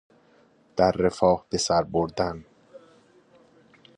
در رفاه به سربردن